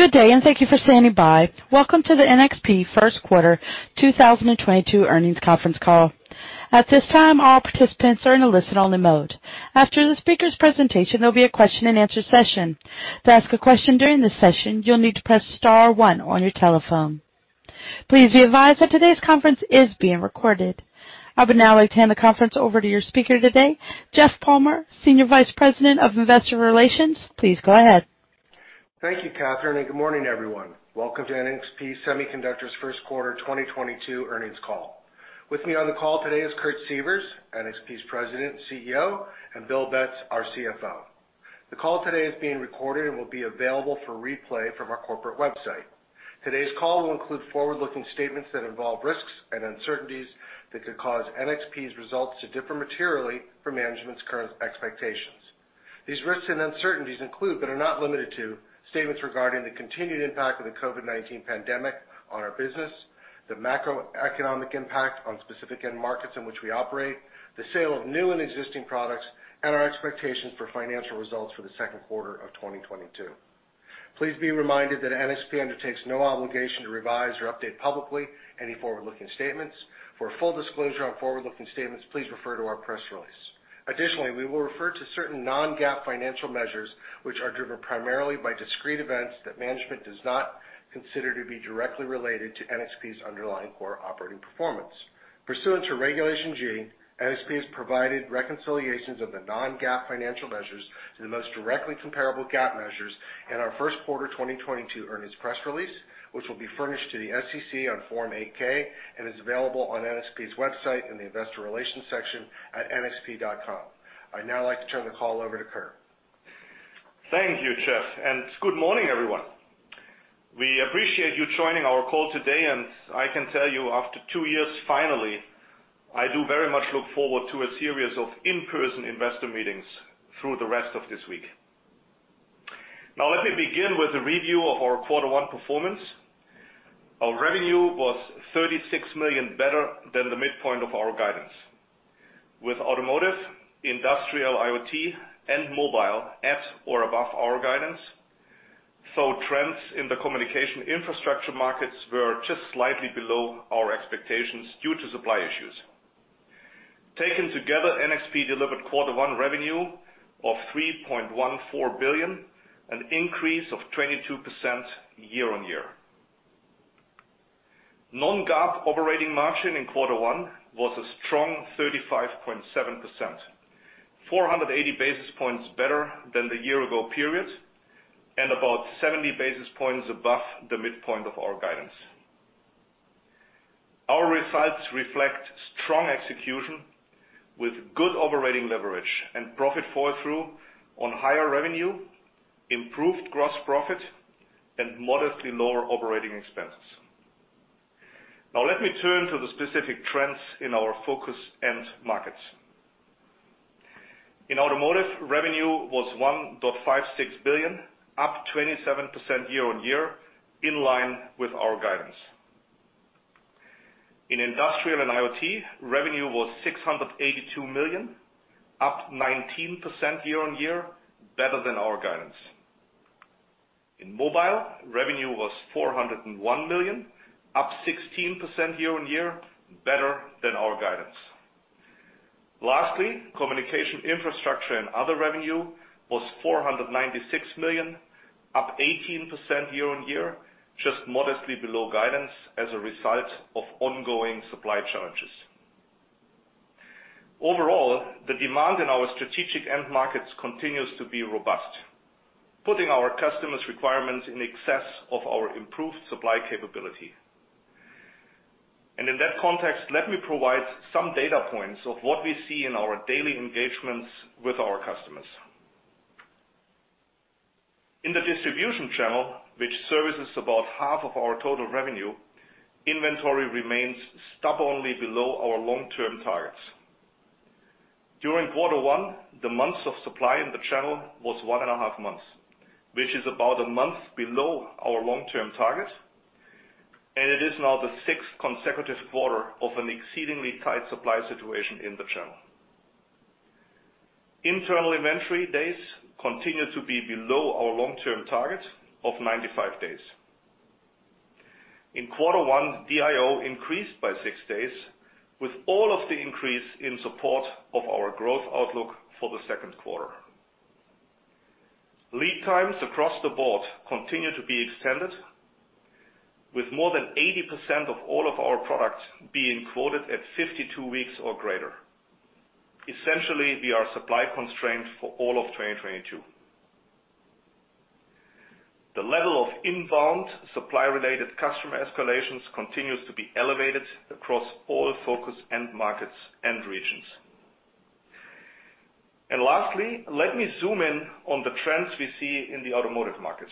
Good day, and thank you for standing by. Welcome to the NXP first quarter 2022 earnings conference call. At this time, all participants are in a listen only mode. After the speaker's presentation, there'll be a question and answer session. To ask a question during this session, you'll need to press star one on your telephone. Please be advised that today's conference is being recorded. I would now like to hand the conference over to your speaker today, Jeff Palmer, Senior Vice President of Investor Relations. Please go ahead. Thank you, Catherine, and good morning, everyone. Welcome to NXP Semiconductors first quarter 2022 earnings call. With me on the call today is Kurt Sievers, NXP's President and CEO, and Bill Betz, our CFO. The call today is being recorded and will be available for replay from our corporate website. Today's call will include forward-looking statements that involve risks and uncertainties that could cause NXP's results to differ materially from management's current expectations. These risks and uncertainties include, but are not limited to statements regarding the continued impact of the COVID-19 pandemic on our business, the macroeconomic impact on specific end markets in which we operate, the sale of new and existing products, and our expectations for financial results for the second quarter of 2022. Please be reminded that NXP undertakes no obligation to revise or update publicly any forward-looking statements. For a full disclosure on forward-looking statements, please refer to our press release. Additionally, we will refer to certain non-GAAP financial measures, which are driven primarily by discrete events that management does not consider to be directly related to NXP's underlying core operating performance. Pursuant to Regulation G, NXP has provided reconciliations of the non-GAAP financial measures to the most directly comparable GAAP measures in our first quarter 2022 earnings press release, which will be furnished to the SEC on Form 8-K and is available on NXP's website in the investor relations section at nxp.com. I'd now like to turn the call over to Kurt. Thank you, Jeff, and good morning, everyone. We appreciate you joining our call today, and I can tell you after two years, finally, I do very much look forward to a series of in-person investor meetings through the rest of this week. Now, let me begin with a review of our quarter one performance. Our revenue was $36 million better than the midpoint of our guidance. With automotive, industrial IoT, and mobile at or above our guidance, though trends in the communication infrastructure markets were just slightly below our expectations due to supply issues. Taken together, NXP delivered quarter one revenue of $3.14 billion, an increase of 22% year-on-year. Non-GAAP operating margin in quarter one was a strong 35.7%, 480 basis points better than the year ago period, and about 70 basis points above the midpoint of our guidance. Our results reflect strong execution with good operating leverage and profit fall through on higher revenue, improved gross profit, and modestly lower operating expenses. Now let me turn to the specific trends in our focus end markets. In automotive, revenue was $1.56 billion, up 27% year-on-year, in line with our guidance. In industrial and IoT, revenue was $682 million, up 19% year-on-year, better than our guidance. In mobile, revenue was $401 million, up 16% year-on-year, better than our guidance. Lastly, communication infrastructure and other revenue was $496 million, up 18% year-on-year, just modestly below guidance as a result of ongoing supply challenges. Overall, the demand in our strategic end markets continues to be robust, putting our customers' requirements in excess of our improved supply capability. In that context, let me provide some data points of what we see in our daily engagements with our customers. In the distribution channel, which serves about half of our total revenue, inventory remains stubbornly below our long-term targets. During quarter one, the months of supply in the channel was 1.5 months, which is about one month below our long-term target, and it is now the sixth consecutive quarter of an exceedingly tight supply situation in the channel. Internal inventory days continue to be below our long-term target of 95 days. In quarter one, DIO increased by six days, with all of the increase in support of our growth outlook for the second quarter. Lead times across the board continue to be extended with more than 80% of all of our products being quoted at 52 weeks or greater. Essentially, we are supply constrained for all of 2022. The level of inbound supply-related customer escalations continues to be elevated across all focus end markets and regions. Lastly, let me zoom in on the trends we see in the automotive market.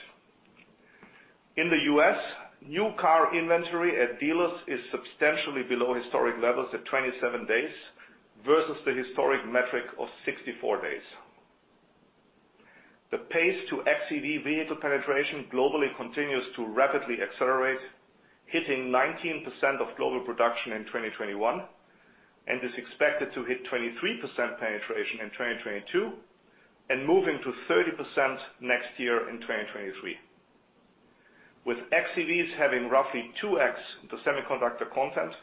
In the U.S., new car inventory at dealers is substantially below historic levels at 27 days versus the historic metric of 64 days. The pace to xEV vehicle penetration globally continues to rapidly accelerate, hitting 19% of global production in 2021. Is expected to hit 23% penetration in 2022 and moving to 30% next year in 2023. With xEVs having roughly 2x the semiconductor content,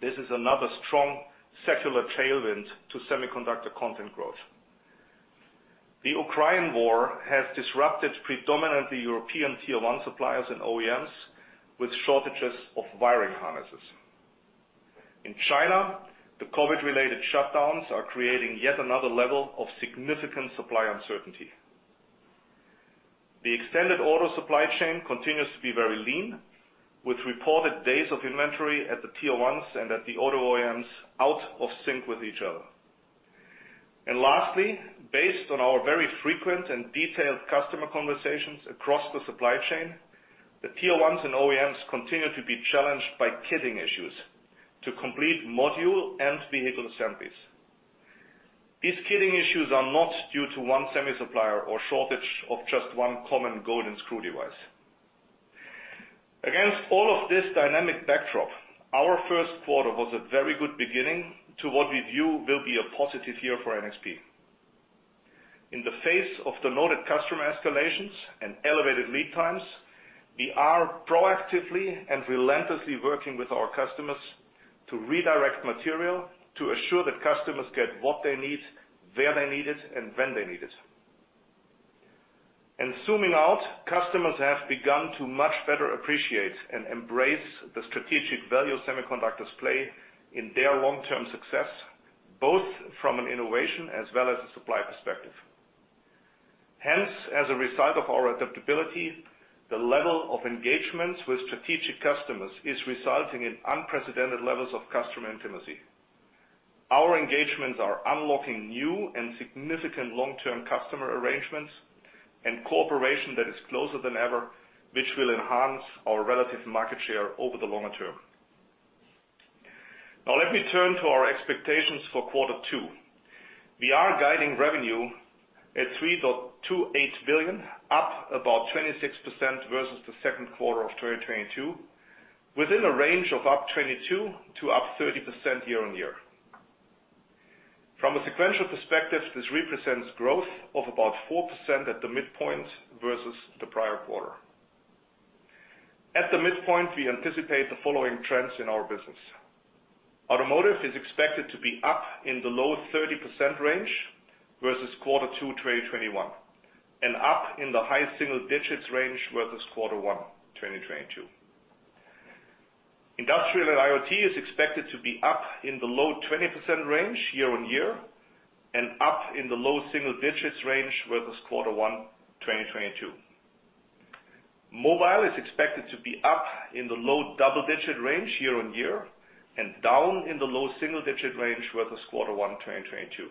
this is another strong secular tailwind to semiconductor content growth. The Ukraine war has disrupted predominantly European Tier One suppliers and OEMs with shortages of wiring harnesses. In China, the COVID-19-related shutdowns are creating yet another level of significant supply uncertainty. The extended auto supply chain continues to be very lean, with reported days of inventory at the Tier 1s and at the auto OEMs out of sync with each other. Lastly, based on our very frequent and detailed customer conversations across the supply chain, the Tier 1s and OEMs continue to be challenged by kitting issues to complete module and vehicle assemblies. These kitting issues are not due to one semi supplier or shortage of just one common golden screw device. Against all of this dynamic backdrop, our first quarter was a very good beginning to what we view will be a positive year for NXP. In the face of the loaded customer escalations and elevated lead times, we are proactively and relentlessly working with our customers to redirect material to assure that customers get what they need, where they need it, and when they need it. Zooming out, customers have begun to much better appreciate and embrace the strategic value semiconductors play in their long-term success, both from an innovation as well as a supply perspective. Hence, as a result of our adaptability, the level of engagements with strategic customers is resulting in unprecedented levels of customer intimacy. Our engagements are unlocking new and significant long-term customer arrangements and cooperation that is closer than ever, which will enhance our relative market share over the longer term. Now let me turn to our expectations for quarter two. We are guiding revenue at $3.28 billion, up about 26% versus the second quarter of 2022, within a range of 22%-30% year-on-year. From a sequential perspective, this represents growth of about 4% at the midpoint versus the prior quarter. At the midpoint, we anticipate the following trends in our business. Automotive is expected to be up in the low 30% range versus quarter two 2021 and up in the high single-digits range versus quarter one 2022. Industrial and IoT is expected to be up in the low 20% range year-on-year and up in the low single-digits range versus quarter one 2022. Mobile is expected to be up in the low double-digit range year-on-year and down in the low single-digit range versus quarter one 2022.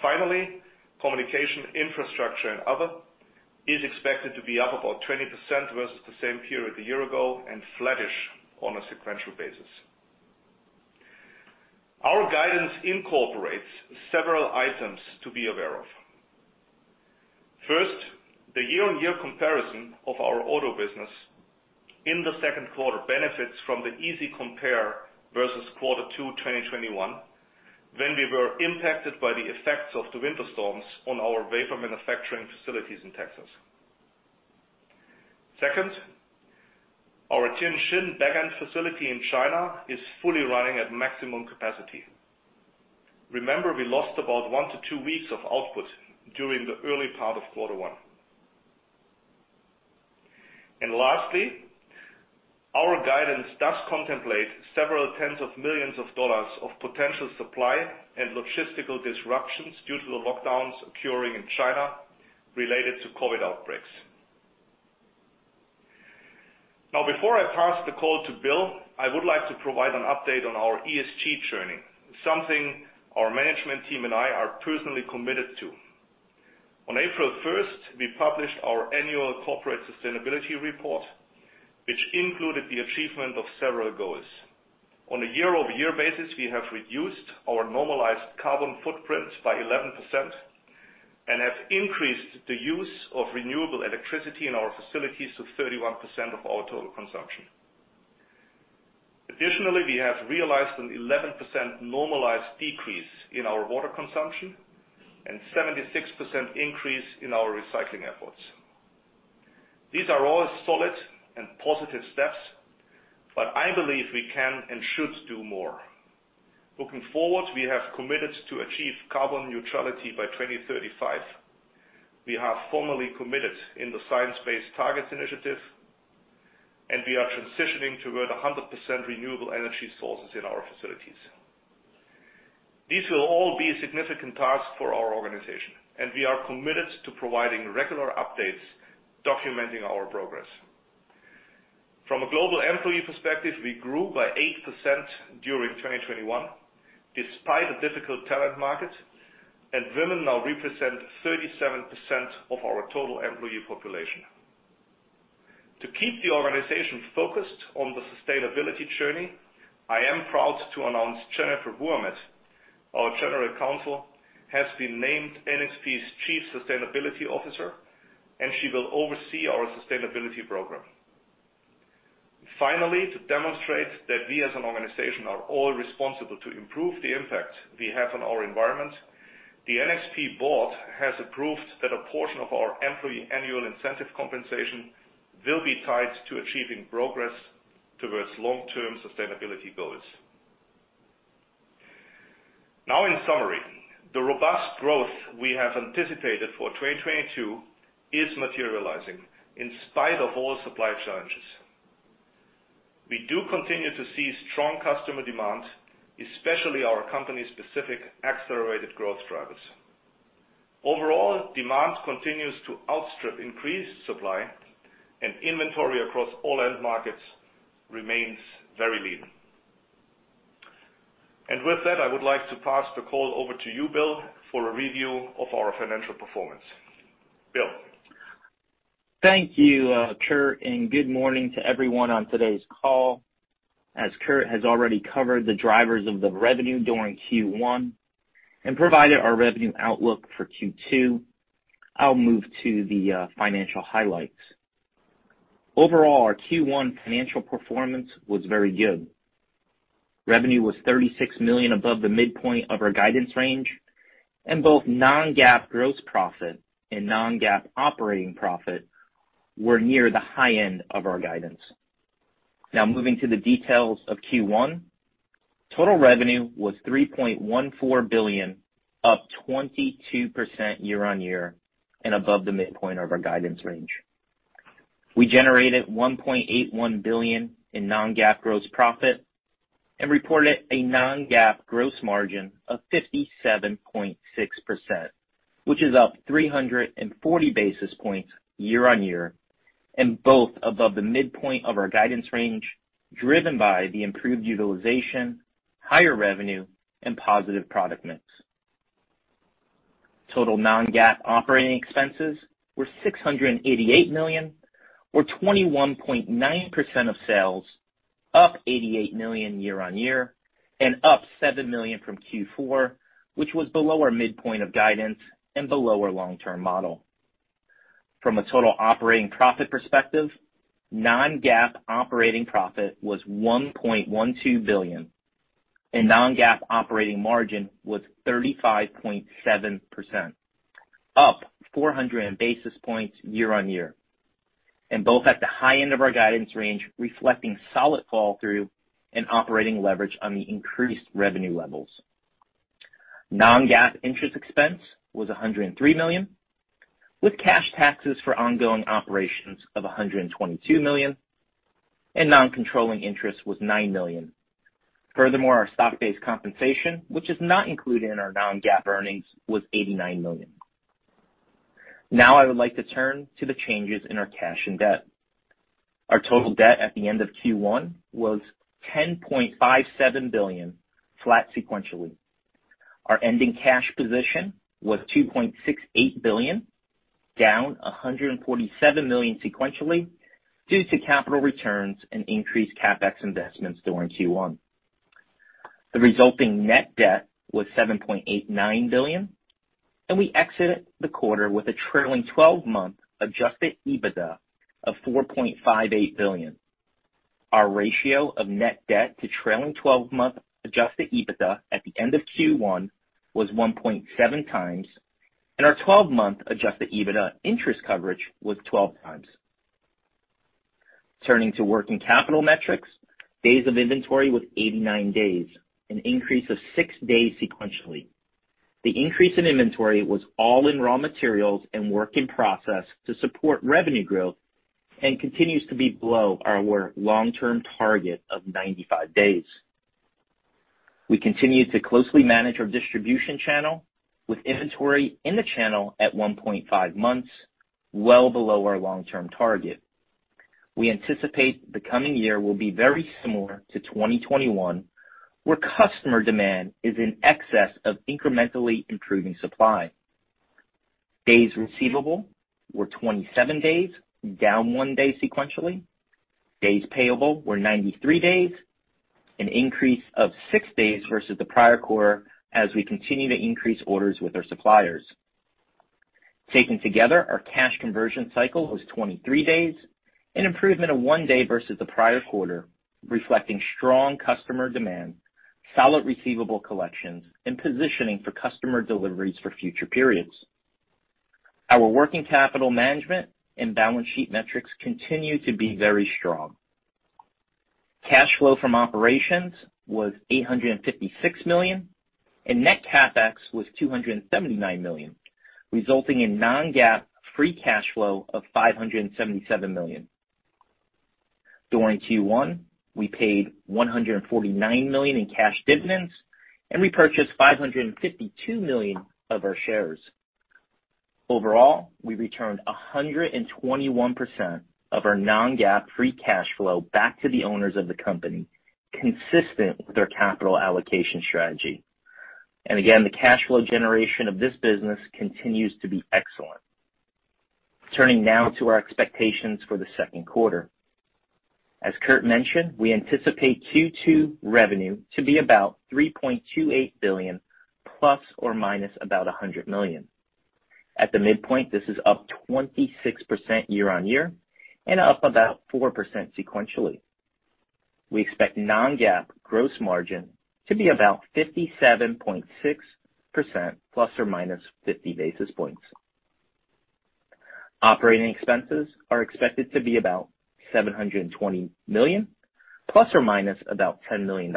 Finally, communication infrastructure and other is expected to be up about 20% versus the same period a year ago and flattish on a sequential basis. Our guidance incorporates several items to be aware of. First, the year-on-year comparison of our auto business in the second quarter benefits from the easy compare versus quarter two, 2021, when we were impacted by the effects of the winter storms on our wafer manufacturing facilities in Texas. Second, our Tianjin backend facility in China is fully running at maximum capacity. Remember, we lost about one to two weeks of output during the early part of quarter one. Lastly, our guidance does contemplate several tens of millions of dollars of potential supply and logistical disruptions due to the lockdowns occurring in China related to COVID outbreaks. Now, before I pass the call to Bill, I would like to provide an update on our ESG journey, something our management team and I are personally committed to. On April 1st, we published our annual corporate sustainability report, which included the achievement of several goals. On a year-over-year basis, we have reduced our normalized carbon footprint by 11% and have increased the use of renewable electricity in our facilities to 31% of our total consumption. Additionally, we have realized an 11% normalized decrease in our water consumption and 76% increase in our recycling efforts. These are all solid and positive steps, but I believe we can and should do more. Looking forward, we have committed to achieve carbon neutrality by 2035. We have formally committed in the Science Based Targets initiative, and we are transitioning toward 100% renewable energy sources in our facilities. These will all be a significant task for our organization, and we are committed to providing regular updates documenting our progress. From a global employee perspective, we grew by 8% during 2021, despite a difficult talent market, and women now represent 37% of our total employee population. To keep the organization focused on the sustainability journey, I am proud to announce Jennifer Wuamett, our General Counsel, has been named NXP's Chief Sustainability Officer, and she will oversee our sustainability program. Finally, to demonstrate that we as an organization are all responsible to improve the impact we have on our environment, the NXP board has approved that a portion of our employee annual incentive compensation will be tied to achieving progress towards long-term sustainability goals. Now in summary, the robust growth we have anticipated for 2022 is materializing in spite of all supply challenges. We do continue to see strong customer demand, especially our company's specific accelerated growth drivers. Overall, demand continues to outstrip increased supply and inventory across all end markets remains very lean. With that, I would like to pass the call over to you, Bill, for a review of our financial performance. Bill? Thank you, Kurt, and good morning to everyone on today's call. As Kurt has already covered the drivers of the revenue during Q1 and provided our revenue outlook for Q2, I'll move to the financial highlights. Overall, our Q1 financial performance was very good. Revenue was $36 million above the midpoint of our guidance range, and both non-GAAP gross profit and non-GAAP operating profit were near the high end of our guidance. Now moving to the details of Q1. Total revenue was $3.14 billion, up 22% year-on-year and above the midpoint of our guidance range. We generated $1.81 billion in non-GAAP gross profit and reported a non-GAAP gross margin of 57.6%, which is up 340 basis points year-over-year, and both above the midpoint of our guidance range, driven by the improved utilization, higher revenue, and positive product mix. Total non-GAAP operating expenses were $688 million, or 21.9% of sales, up $88 million year-over-year and up $7 million from Q4, which was below our midpoint of guidance and below our long-term model. From a total operating profit perspective, non-GAAP operating profit was $1.12 billion, and non-GAAP operating margin was 35.7%, up 400 basis points year-over-year, and both at the high end of our guidance range, reflecting solid flow-through and operating leverage on the increased revenue levels. Non-GAAP interest expense was $103 million, with cash taxes for ongoing operations of $122 million, and non-controlling interest was $9 million. Furthermore, our stock-based compensation, which is not included in our non-GAAP earnings, was $89 million. Now I would like to turn to the changes in our cash and debt. Our total debt at the end of Q1 was $10.57 billion, flat sequentially. Our ending cash position was $2.68 billion, down $147 million sequentially due to capital returns and increased CapEx investments during Q1. The resulting net debt was $7.89 billion, and we exited the quarter with a trailing 12 month adjusted EBITDA of $4.58 billion. Our ratio of net debt to trailing 12 month adjusted EBITDA at the end of Q1 was 1.7x, and our twelve-month adjusted EBITDA interest coverage was 12x. Turning to working capital metrics, days of inventory was 89 days, an increase of six days sequentially. The increase in inventory was all in raw materials and work in process to support revenue growth and continues to be below our long-term target of 95 days. We continue to closely manage our distribution channel with inventory in the channel at 1.5 months, well below our long-term target. We anticipate the coming year will be very similar to 2021, where customer demand is in excess of incrementally improving supply. Days receivable were 27 days, down one day sequentially. Days payable were 93 days, an increase of six days versus the prior quarter as we continue to increase orders with our suppliers. Taken together, our cash conversion cycle was 23 days, an improvement of one day versus the prior quarter, reflecting strong customer demand, solid receivable collections, and positioning for customer deliveries for future periods. Our working capital management and balance sheet metrics continue to be very strong. Cash flow from operations was $856 million, and net CapEx was $279 million, resulting in non-GAAP free cash flow of $577 million. During Q1, we paid $149 million in cash dividends and repurchased $552 million of our shares. Overall, we returned 121% of our non-GAAP free cash flow back to the owners of the company, consistent with our capital allocation strategy. Again, the cash flow generation of this business continues to be excellent. Turning now to our expectations for the second quarter. As Kurt mentioned, we anticipate Q2 revenue to be about $3.28 billion ± about $100 million. At the midpoint, this is up 26% year-on-year and up about 4% sequentially. We expect non-GAAP gross margin to be about 57.6% ± 50 basis points. Operating expenses are expected to be about $720 million ± about $10 million,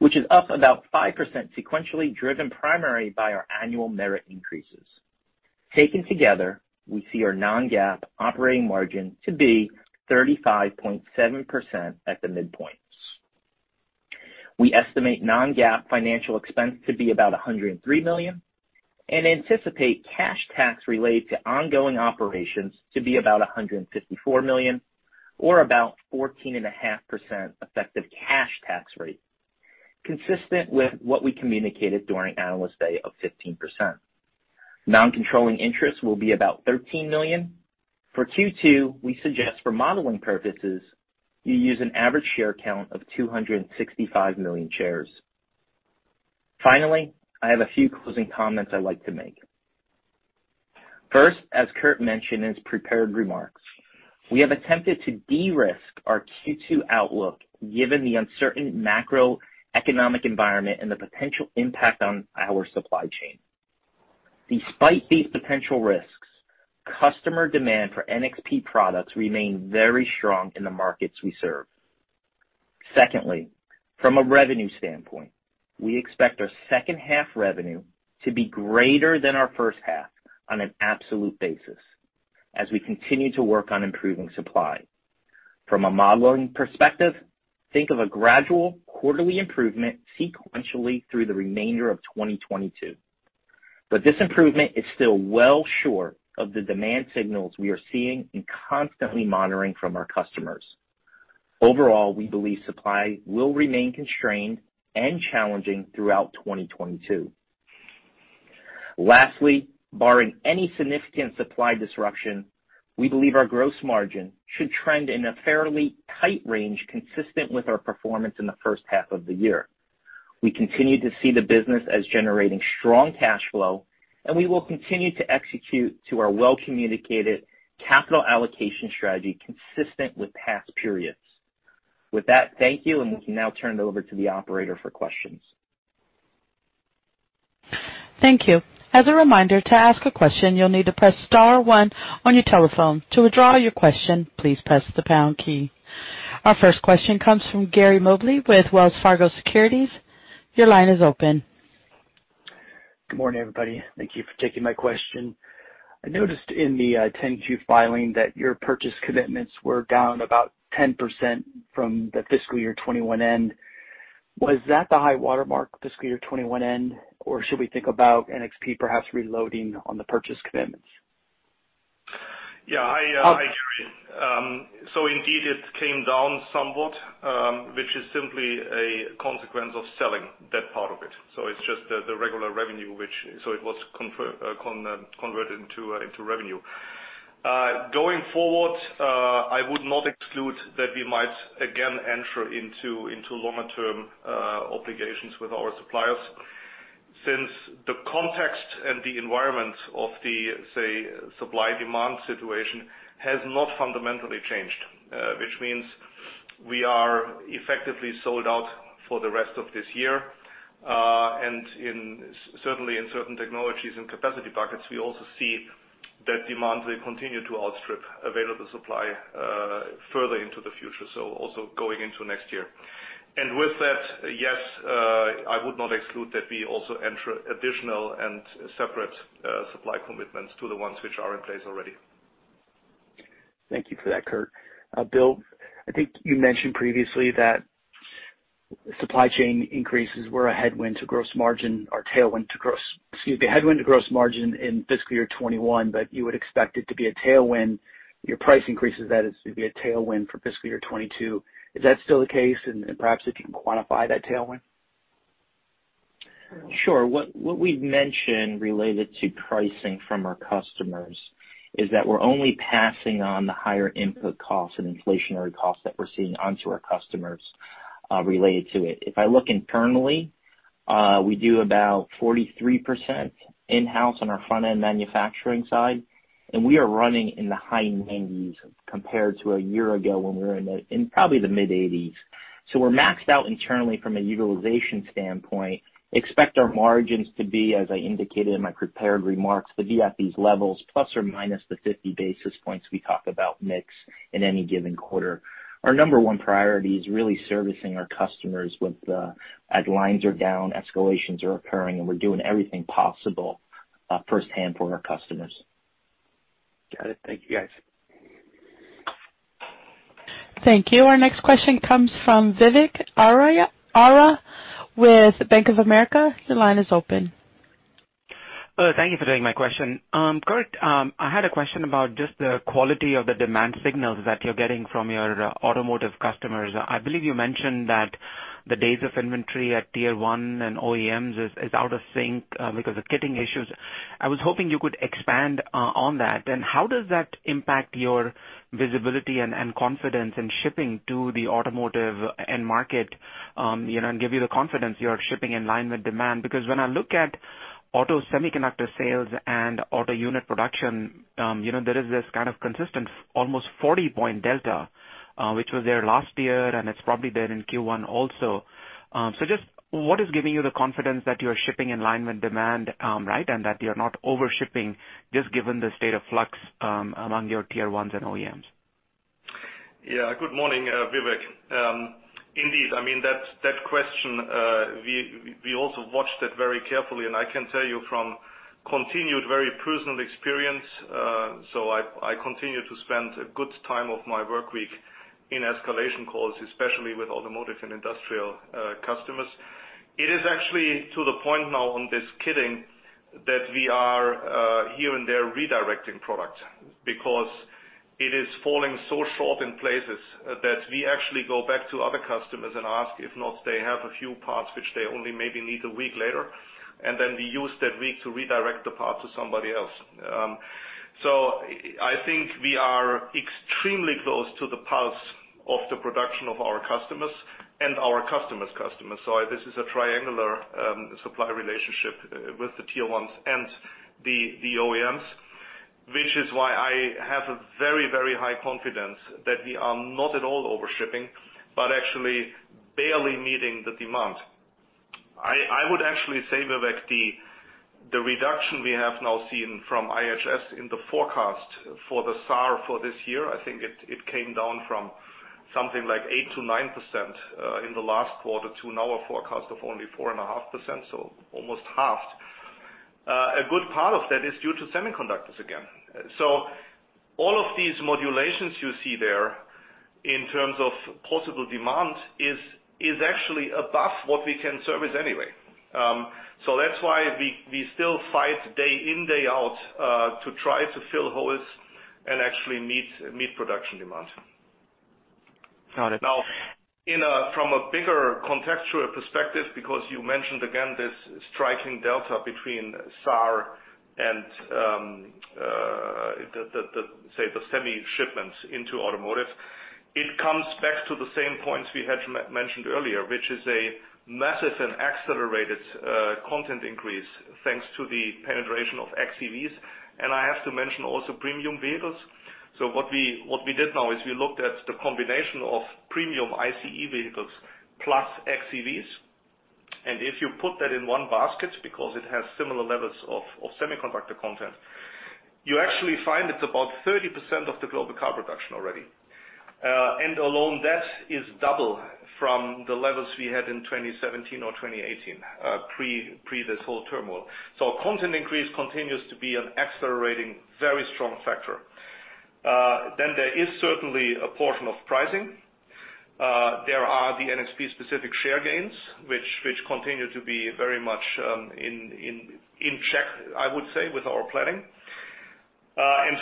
which is up about 5% sequentially, driven primarily by our annual merit increases. Taken together, we see our non-GAAP operating margin to be 35.7% at the midpoint. We estimate non-GAAP financial expense to be about $103 million and anticipate cash tax related to ongoing operations to be about $154 million or about 14.5% effective cash tax rate, consistent with what we communicated during Analyst Day of 15%. Non-controlling interest will be about $13 million. For Q2, we suggest for modeling purposes, you use an average share count of 265 million shares. Finally, I have a few closing comments I'd like to make. First, as Kurt mentioned in his prepared remarks, we have attempted to de-risk our Q2 outlook given the uncertain macroeconomic environment and the potential impact on our supply chain. Despite these potential risks, customer demand for NXP products remain very strong in the markets we serve. Secondly, from a revenue standpoint, we expect our second half revenue to be greater than our first half on an absolute basis as we continue to work on improving supply. From a modeling perspective, think of a gradual quarterly improvement sequentially through the remainder of 2022. This improvement is still well short of the demand signals we are seeing and constantly monitoring from our customers. Overall, we believe supply will remain constrained and challenging throughout 2022. Lastly, barring any significant supply disruption, we believe our gross margin should trend in a fairly tight range consistent with our performance in the first half of the year. We continue to see the business as generating strong cash flow, and we will continue to execute to our well-communicated capital allocation strategy consistent with past periods. With that, thank you, and we can now turn it over to the operator for questions. Thank you. As a reminder, to ask a question, you'll need to press star one on your telephone. To withdraw your question, please press the pound key. Our first question comes from Gary Mobley with Wells Fargo Securities. Your line is open. Good morning, everybody. Thank you for taking my question. I noticed in the 10-Q filing that your purchase commitments were down about 10% from the fiscal year 2021 end. Was that the high watermark fiscal year 2021 end, or should we think about NXP perhaps reloading on the purchase commitments? Indeed, it came down somewhat, which is simply a consequence of selling that part of it. It's just the regular revenue. It was converted into revenue. Going forward, I would not exclude that we might again enter into longer-term obligations with our suppliers since the context and the environment of the, say, supply-demand situation has not fundamentally changed, which means we are effectively sold out for the rest of this year. Certainly in certain technologies and capacity buckets, we also see that demand will continue to outstrip available supply, further into the future, so also going into next year. With that, yes, I would not exclude that we also enter additional and separate supply commitments to the ones which are in place already. Thank you for that, Kurt. Bill, I think you mentioned previously that supply chain increases were a headwind to gross margin in fiscal year 2021, but you would expect it to be a tailwind, your price increases that is, to be a tailwind for fiscal year 2022. Is that still the case? Perhaps if you can quantify that tailwind. Sure. What we've mentioned related to pricing from our customers is that we're only passing on the higher input costs and inflationary costs that we're seeing onto our customers related to it. If I look internally, we do about 43% in-house on our front-end manufacturing side, and we are running in the high 90s compared to a year ago when we were in probably the mid-80s. We're maxed out internally from a utilization standpoint. Expect our margins to be, as I indicated in my prepared remarks, to be at these levels plus or minus the 50 basis points we talk about mix in any given quarter. Our number one priority is really servicing our customers with, as lines are down, escalations are occurring, and we're doing everything possible firsthand for our customers. Got it. Thank you, guys. Thank you. Our next question comes from Vivek Arya with Bank of America. Your line is open. Thank you for taking my question. Kurt, I had a question about just the quality of the demand signals that you're getting from your automotive customers. I believe you mentioned that the days of inventory at Tier 1 and OEMs is out of sync because of kitting issues. I was hoping you could expand on that. How does that impact your visibility and confidence in shipping to the automotive end market, you know, and give you the confidence you are shipping in line with demand? Because when I look at auto semiconductor sales and auto unit production, you know, there is this kind of consistent almost 40-point delta, which was there last year and it's probably there in Q1 also. Just what is giving you the confidence that you're shipping in line with demand, right, and that you're not over shipping just given the state of flux among your Tier 1 and OEMs? Yeah. Good morning, Vivek. Indeed. I mean, that question, we also watched it very carefully, and I can tell you from continued, very personal experience, so I continue to spend a good time of my work week in escalation calls, especially with automotive and industrial customers. It is actually to the point now on this kitting that we are here and there, redirecting product because it is falling so short in places that we actually go back to other customers and ask if not, they have a few parts which they only maybe need a week later, and then we use that week to redirect the part to somebody else. I think we are extremely close to the pulse of the production of our customers and our customers' customers. This is a triangular supply relationship with the Tier 1s and the OEMs, which is why I have a very, very high confidence that we are not at all over shipping, but actually barely meeting the demand. I would actually say, Vivek, the reduction we have now seen from IHS in the forecast for the SAAR for this year, I think it came down from something like 8%-9% in the last quarter to now a forecast of only 4.5%, so almost half. A good part of that is due to semiconductors again. All of these modulations you see there in terms of possible demand is actually above what we can service anyway. That's why we still fight day in, day out, to try to fill holes and actually meet production demand. Got it. From a bigger contextual perspective, because you mentioned again this striking delta between SAAR and, say, the semi shipments into automotive, it comes back to the same points we had mentioned earlier, which is a massive and accelerated content increase thanks to the penetration of xEVs. I have to mention also premium vehicles. What we did now is we looked at the combination of premium ICE vehicles plus xEVs, and if you put that in one basket because it has similar levels of semiconductor content, you actually find it's about 30% of the global car production already. Alone that is double from the levels we had in 2017 or 2018 pre this whole turmoil. Content increase continues to be an accelerating, very strong factor. There is certainly a portion of pricing. There are the NXP specific share gains which continue to be very much in check, I would say, with our planning.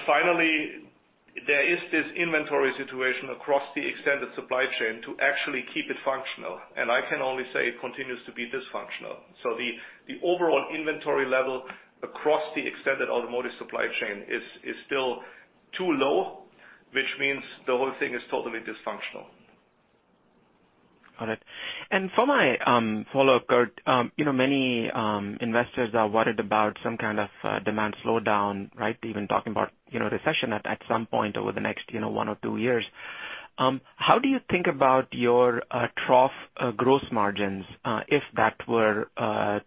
Finally, there is this inventory situation across the extended supply chain to actually keep it functional, and I can only say it continues to be dysfunctional. The overall inventory level across the extended automotive supply chain is still too low, which means the whole thing is totally dysfunctional. Got it. For my follow-up, Kurt, you know, many investors are worried about some kind of demand slowdown, right? Even talking about you know recession at some point over the next you know one or two years. How do you think about your trough gross margins if that were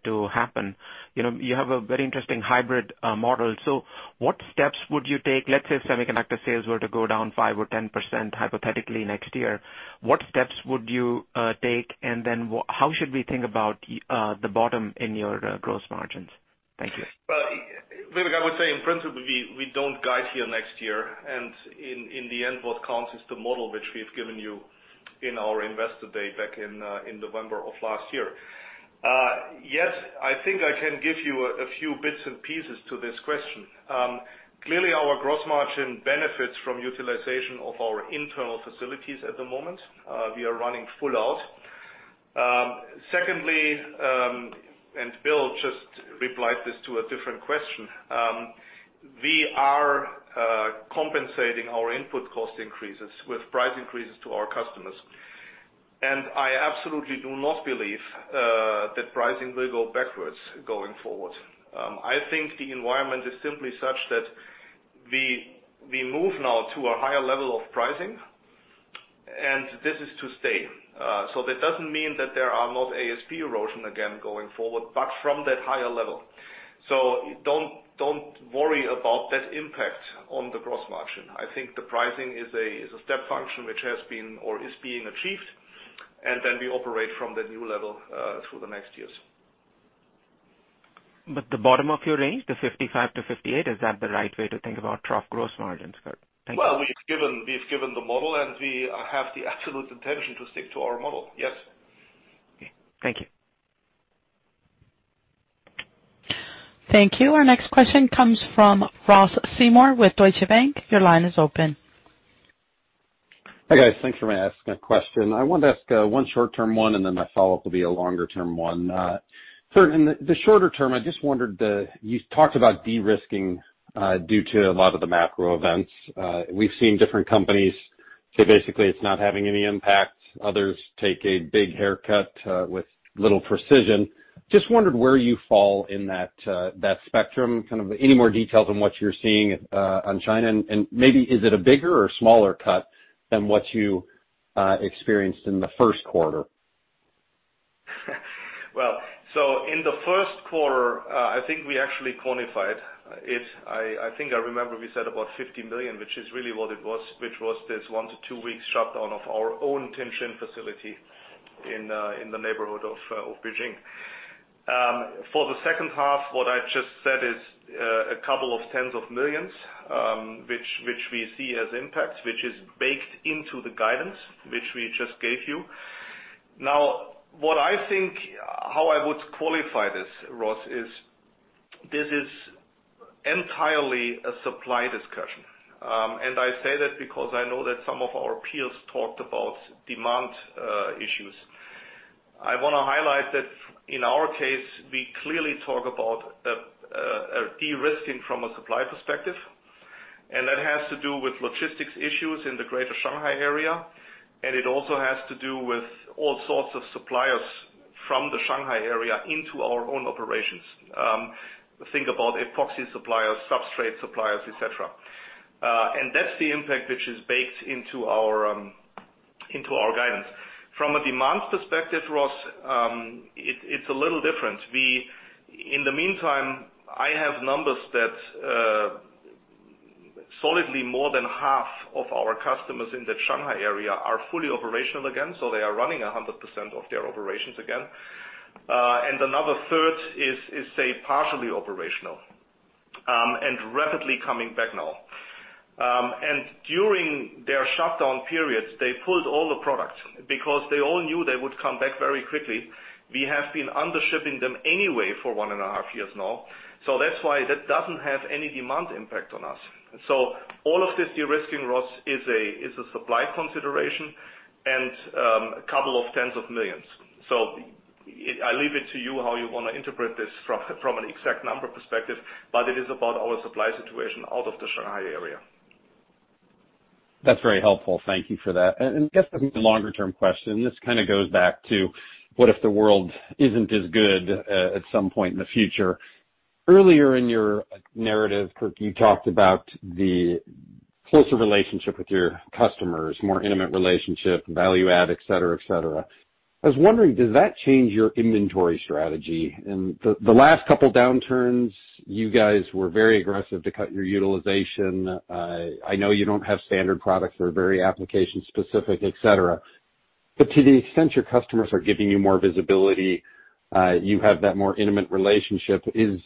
to happen? You know, you have a very interesting hybrid model. So what steps would you take? Let's say semiconductor sales were to go down 5% or 10% hypothetically next year, what steps would you take? How should we think about the bottom in your gross margins? Thank you. Well, Vivek, I would say in principle, we don't guide here next year. In the end, what counts is the model which we've given you in our Analyst Day back in November of last year. Yes, I think I can give you a few bits and pieces to this question. Clearly, our gross margin benefits from utilization of our internal facilities at the moment. We are running full out. Secondly, Bill just replied this to a different question. We are compensating our input cost increases with price increases to our customers. I absolutely do not believe that pricing will go backwards going forward. I think the environment is simply such that we move now to a higher level of pricing, and this is to stay. That doesn't mean that there are not ASP erosion again going forward, but from that higher level. Don't worry about that impact on the gross margin. I think the pricing is a step function which has been or is being achieved, and then we operate from the new level through the next years. The bottom of your range, the 55%-58%, is that the right way to think about trough gross margins, Kurt? Thank you. Well, we've given the model, and we have the absolute intention to stick to our model, yes. Okay. Thank you. Thank you. Our next question comes from Ross Seymore with Deutsche Bank. Your line is open. Hi, guys. Thanks very much for asking that question. I wanted to ask one short-term one and then my follow-up will be a longer term one. Kurt, in the shorter term, I just wondered you talked about de-risking due to a lot of the macro events. We've seen different companies. So basically, it's not having any impact. Others take a big haircut with little precision. Just wondered where you fall in that spectrum. Kind of any more details on what you're seeing on China, and maybe is it a bigger or smaller cut than what you experienced in the first quarter? Well, in the first quarter, I think we actually quantified it. I think I remember we said about $50 million, which is really what it was, which was this one to two weeks shutdown of our own Tianjin facility in the neighborhood of Beijing. For the second half, what I just said is a couple of tens of millions, which we see as impact, which is baked into the guidance which we just gave you. Now, what I think, how I would qualify this, Ross, is this is entirely a supply discussion. I say that because I know that some of our peers talked about demand issues. I wanna highlight that in our case, we clearly talk about a de-risking from a supply perspective, and that has to do with logistics issues in the greater Shanghai area, and it also has to do with all sorts of suppliers from the Shanghai area into our own operations. Think about epoxy suppliers, substrate suppliers, et cetera. That's the impact which is baked into our guidance. From a demand perspective, Ross, it's a little different. In the meantime, I have numbers that solidly more than half of our customers in the Shanghai area are fully operational again, so they are running 100% of their operations again. Another third is, say, partially operational, and rapidly coming back now. During their shutdown periods, they pulled all the products because they all knew they would come back very quickly. We have been under-shipping them anyway for 1.5 years now. That's why that doesn't have any demand impact on us. All of this de-risking, Ross, is a supply consideration and $20 million. I leave it to you how you wanna interpret this from an exact number perspective, but it is about our supply situation out of the Shanghai area. That's very helpful. Thank you for that. Just the longer-term question, this kinda goes back to what if the world isn't as good at some point in the future. Earlier in your narrative, you talked about the closer relationship with your customers, more intimate relationship, value add, et cetera, et cetera. I was wondering, does that change your inventory strategy? In the last couple downturns, you guys were very aggressive to cut your utilization. I know you don't have standard products that are very application-specific, et cetera. But to the extent your customers are giving you more visibility, you have that more intimate relationship, is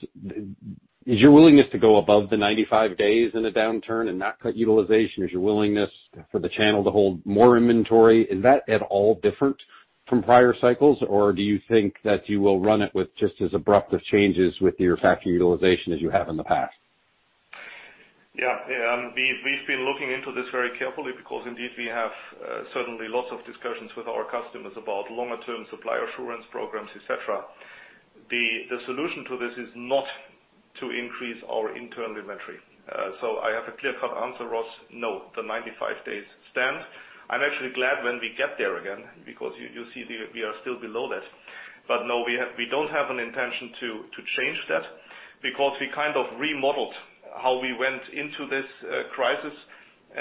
your willingness to go above the 95 days in a downturn and not cut utilization, is your willingness for the channel to hold more inventory, is that at all different from prior cycles? Do you think that you will run it with just as abrupt of changes with your factory utilization as you have in the past? Yeah. We've been looking into this very carefully because indeed we have certainly lots of discussions with our customers about longer term supply assurance programs, et cetera. The solution to this is not to increase our internal inventory. So I have a clear-cut answer, Ross. No, the 95 days stand. I'm actually glad when we get there again, because you see we are still below that. No, we don't have an intention to change that because we kind of remodeled how we went into this crisis.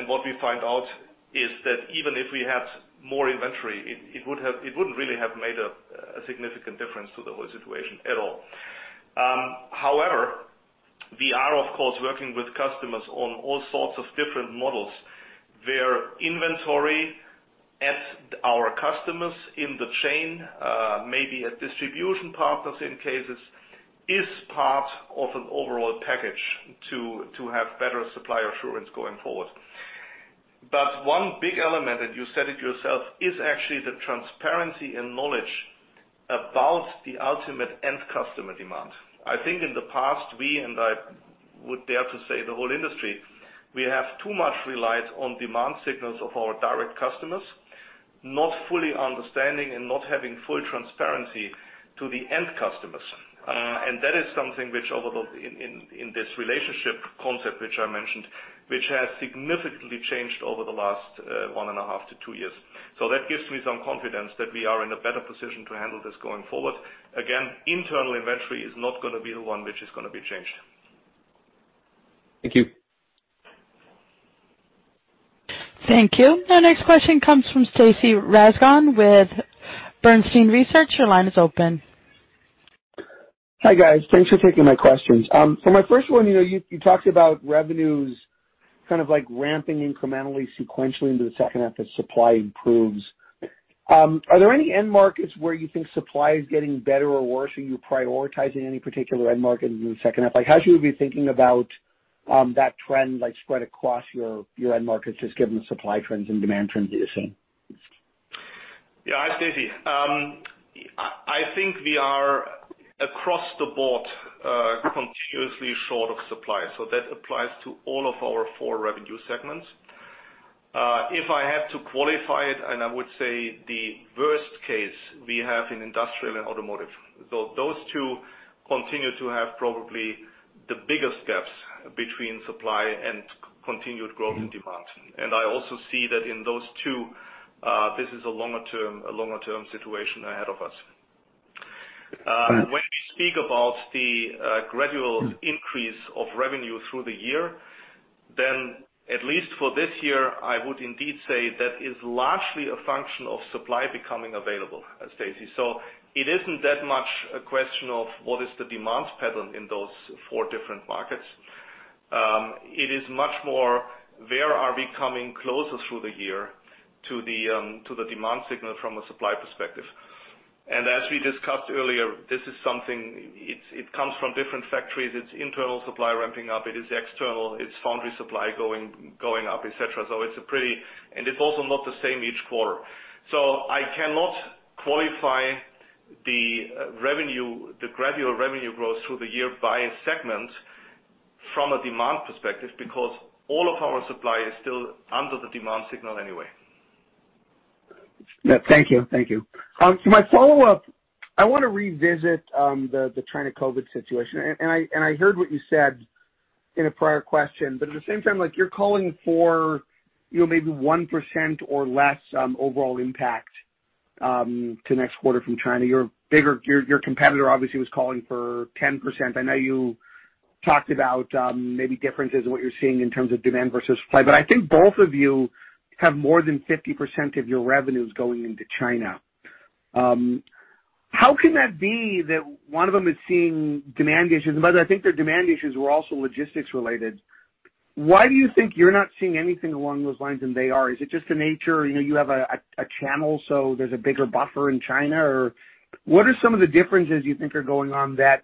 What we find out is that even if we had more inventory, it would have it wouldn't really have made a significant difference to the whole situation at all. However, we are of course working with customers on all sorts of different models where inventory at our customers in the chain, maybe at distribution partners in cases, is part of an overall package to have better supply assurance going forward. One big element, and you said it yourself, is actually the transparency and knowledge about the ultimate end customer demand. I think in the past, we and I would dare to say the whole industry, we have too much reliance on demand signals of our direct customers, not fully understanding and not having full transparency to the end customers. That is something which in this relationship concept which I mentioned, which has significantly changed over the last 1.5 to 2 years. that gives me some confidence that we are in a better position to handle this going forward. Again, internal inventory is not gonna be the one which is gonna be changed. Thank you. Thank you. Our next question comes from Stacy Rasgon with Bernstein Research. Your line is open. Hi, guys. Thanks for taking my questions. My first one, you know, you talked about revenues kind of like ramping incrementally sequentially into the second half as supply improves. Are there any end markets where you think supply is getting better or worse? Are you prioritizing any particular end market in the second half? Like, how should we be thinking about that trend, like spread across your end markets, just given the supply trends and demand trends that you're seeing? Yeah. Hi, Stacy. I think we are across the board continuously short of supply, so that applies to all of our four revenue segments. If I had to qualify it, I would say the worst case we have in industrial and automotive. Those two continue to have probably the bigger steps between supply and continued growth in demand. I also see that in those two, this is a longer term situation ahead of us. When we speak about the gradual increase of revenue through the year, then at least for this year, I would indeed say that is largely a function of supply becoming available, Stacy. It isn't that much a question of what is the demand pattern in those four different markets. It is much more where we are coming closer through the year to the demand signal from a supply perspective. As we discussed earlier, this is something. It comes from different factories. It's internal supply ramping up. It is external. It's foundry supply going up, et cetera. It's also not the same each quarter. I cannot qualify the gradual revenue growth through the year by a segment from a demand perspective, because all of our supply is still under the demand signal anyway. Thank you. For my follow-up, I want to revisit the China COVID-19 situation. I heard what you said in a prior question, but at the same time, like, you're calling for, you know, maybe 1% or less, overall impact, to next quarter from China. Your bigger competitor obviously was calling for 10%. I know you talked about, maybe differences in what you're seeing in terms of demand versus supply. I think both of you have more than 50% of your revenues going into China. How can that be that one of them is seeing demand issues? I think their demand issues were also logistics related. Why do you think you're not seeing anything along those lines and they are? Is it just the nature? You know, you have a channel, so there's a bigger buffer in China? Or what are some of the differences you think are going on that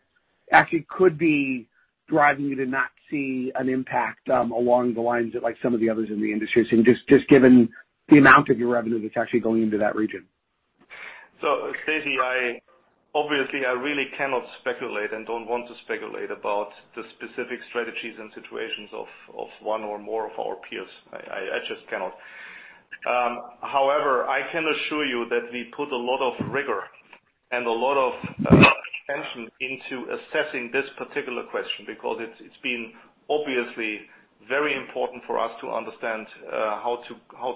actually could be driving you to not see an impact, along the lines of like some of the others in the industry? Just given the amount of your revenue that's actually going into that region. Stacy, I obviously, I really cannot speculate and don't want to speculate about the specific strategies and situations of one or more of our peers. I just cannot. However, I can assure you that we put a lot of rigor and a lot of attention into assessing this particular question because it's been obviously very important for us to understand how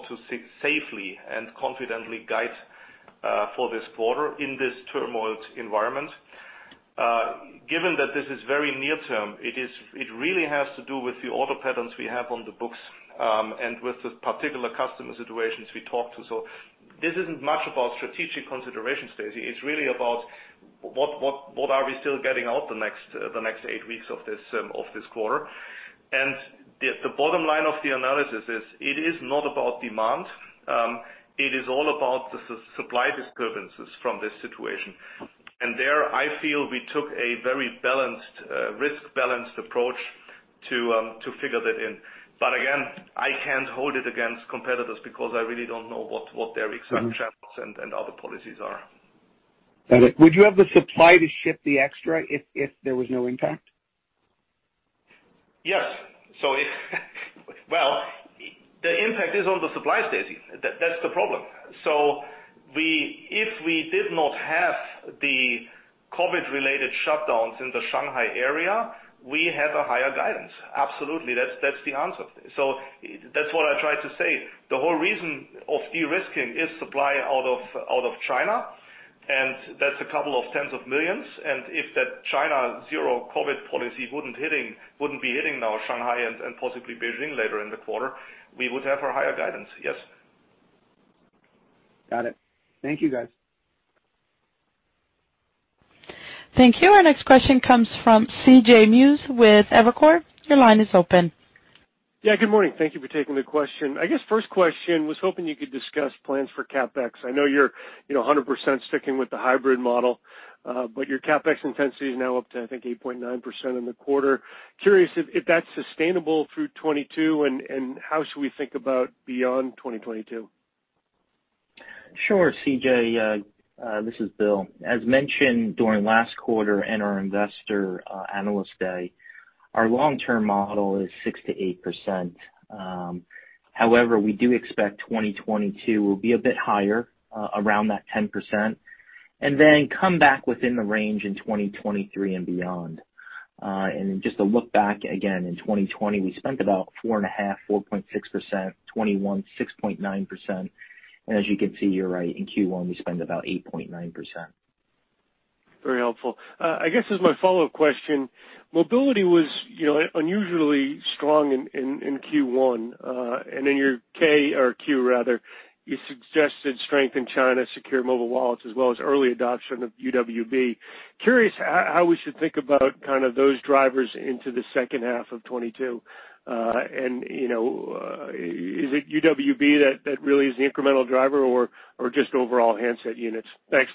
to safely and confidently guide for this quarter in this turmoil environment. Given that this is very near term, it really has to do with the order patterns we have on the books and with the particular customer situations we talk to. This isn't much about strategic considerations, Stacy. It's really about what are we still getting out the next eight weeks of this quarter. The bottom line of the analysis is it is not about demand. It is all about the supply disturbances from this situation. There I feel we took a very balanced, risk-balanced approach to to figure that in. Again, I can't hold it against competitors because I really don't know what their exact channels and other policies are. Got it. Would you have the supply to ship the extra if there was no impact? Yes. The impact is on the supply, Stacy. That's the problem. If we did not have the COVID-related shutdowns in the Shanghai area, we have a higher guidance. Absolutely. That's the answer. That's what I tried to say. The whole reason of de-risking is supply out of China, and that's a couple of tens of millions. If that China zero COVID policy wouldn't be hitting now Shanghai and possibly Beijing later in the quarter, we would have a higher guidance. Yes. Got it. Thank you, guys. Thank you. Our next question comes from C.J. Muse with Evercore ISI. Your line is open. Yeah, good morning. Thank you for taking the question. I guess first question, was hoping you could discuss plans for CapEx. I know you're, you know, 100% sticking with the hybrid model, but your CapEx intensity is now up to, I think, 8.9% in the quarter. Curious if that's sustainable through 2022, and how should we think about beyond 2022? Sure, C.J. This is Bill. As mentioned during last quarter and our Analyst Day, our long-term model is 6%-8%. However, we do expect 2022 will be a bit higher, around that 10%, and then come back within the range in 2023 and beyond. Just to look back again, in 2020, we spent about 4.6%, 2021, 6.9%. As you can see, you're right, in Q1, we spent about 8.9%. Very helpful. I guess as my follow-up question, mobility was, you know, unusually strong in Q1, and in your 10-K or 10-Q rather, you suggested strength in China, secure mobile wallets, as well as early adoption of UWB. Curious how we should think about kind of those drivers into the second half of 2022. And you know, is it UWB that really is the incremental driver or just overall handset units? Thanks.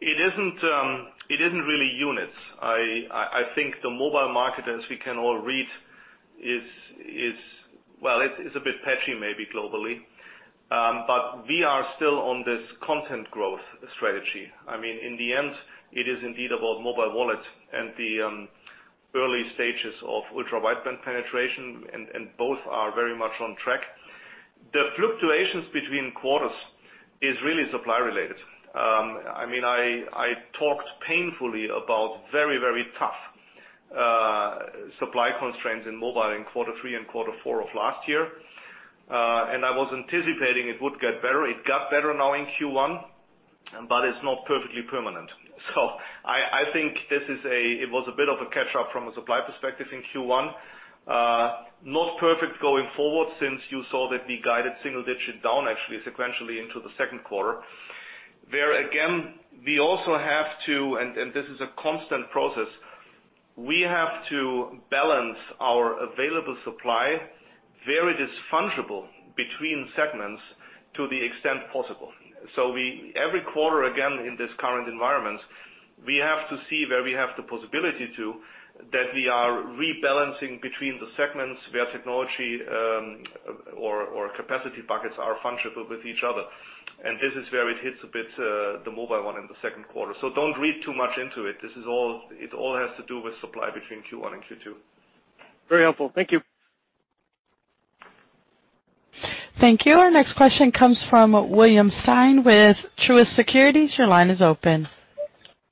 It isn't really units. I think the mobile market, as we can all read, is a bit patchy maybe globally, but we are still on this content growth strategy. I mean, in the end, it is indeed about mobile wallet and the early stages of ultra-wideband penetration, and both are very much on track. The fluctuations between quarters is really supply related. I talked painfully about very tough supply constraints in mobile in quarter three and quarter four of last year, and I was anticipating it would get better. It got better now in Q1, but it's not perfectly permanent. I think it was a bit of a catch-up from a supply perspective in Q1. Not perfect going forward, since you saw that we guided single-digit down actually sequentially into the second quarter, where again we also have to, and this is a constant process, balance our available supply where it is fungible between segments to the extent possible. Every quarter, again, in this current environment, we have to see where we have the possibility to, that we are rebalancing between the segments where technology or capacity buckets are fungible with each other. This is where it hits a bit the mobile one in the second quarter. Don't read too much into it. This is all. It all has to do with supply between Q1 and Q2. Very helpful. Thank you. Thank you. Our next question comes from William Stein with Truist Securities. Your line is open.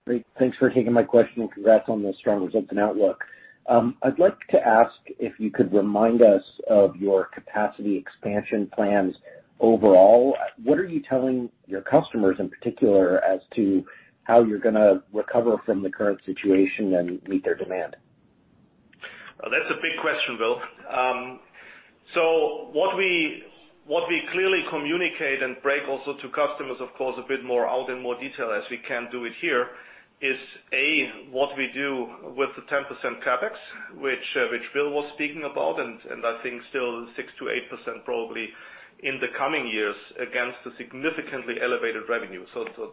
Great. Thanks for taking my question, and congrats on the strong results and outlook. I'd like to ask if you could remind us of your capacity expansion plans overall. What are you telling your customers in particular as to how you're gonna recover from the current situation and meet their demand? That's a big question, Bill. What we clearly communicate and break also to customers, of course, a bit more out in more detail as we can do it here is, A, what we do with the 10% CapEx, which Bill was speaking about, and I think still 6%-8% probably in the coming years against the significantly elevated revenue.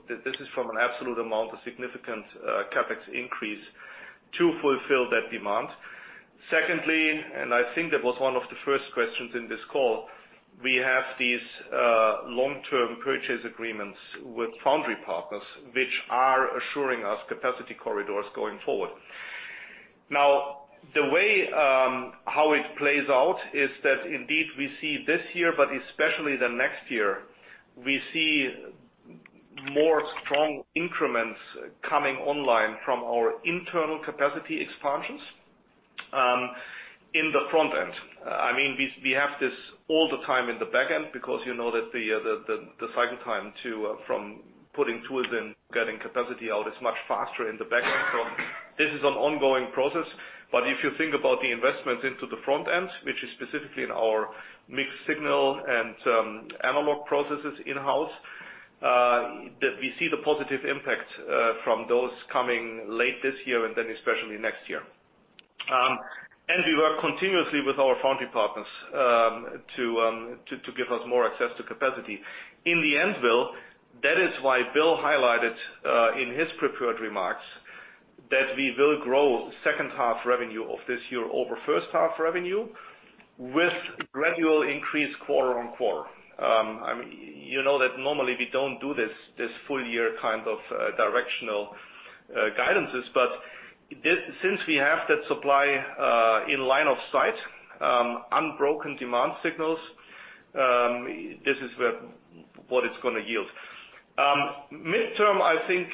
This is from an absolute amount, a significant CapEx increase to fulfill that demand. Secondly, I think that was one of the first questions in this call, we have these long-term purchase agreements with foundry partners, which are assuring us capacity corridors going forward. Now, the way it plays out is that indeed we see this year, but especially the next year, we see more strong increments coming online from our internal capacity expansions in the front end. I mean, we have this all the time in the back end because you know that the cycle time from putting tools in, getting capacity out is much faster in the back end. This is an ongoing process. If you think about the investments into the front end, which is specifically in our mixed signal and analog processes in-house, that we see the positive impact from those coming late this year and then especially next year. We work continuously with our foundry partners to give us more access to capacity. In the end, Bill, that is why Bill highlighted in his prepared remarks that we will grow second half revenue of this year over first half revenue with gradual increase quarter on quarter. I mean, you know that normally we don't do this full year kind of directional guidances, but since we have that supply in line of sight, unbroken demand signals, this is what it's gonna yield. Midterm, I think,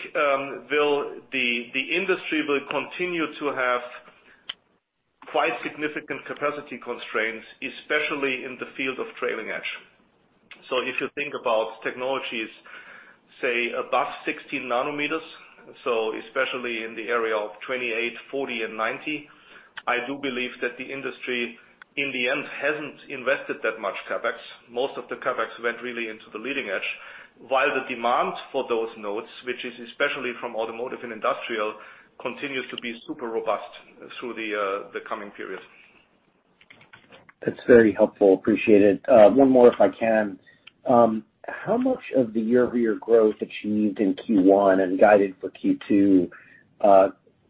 Bill, the industry will continue to have quite significant capacity constraints, especially in the field of trailing edge. If you think about technologies, say, above 16 nm, especially in the area of 28, 40 and 90, I do believe that the industry, in the end, hasn't invested that much CapEx. Most of the CapEx went really into the leading edge, while the demand for those nodes, which is especially from automotive and industrial, continues to be super robust through the coming periods. That's very helpful. Appreciate it. One more, if I can. How much of the year-over-year growth achieved in Q1 and guided for Q2,